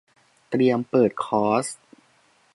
เตรียมเปิดคอร์ส